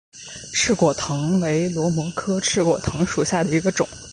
翅果藤为萝藦科翅果藤属下的一个种。